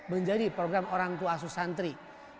menjadi program orangku asus santri